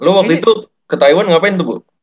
lo waktu itu ke taiwan ngapain tuh bu